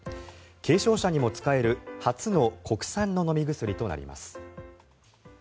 軽症者にも使える初の国産の飲み薬となります。